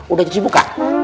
udah nyicip buka